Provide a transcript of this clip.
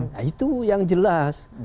nah itu yang jelas